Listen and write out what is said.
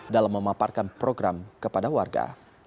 dalam memaparkan program kepada warga